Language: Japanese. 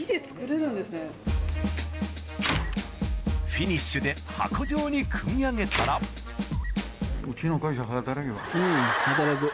フィニッシュで箱状に組み上げたらうん働く。